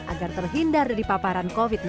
agar terhindar dari paparan covid sembilan belas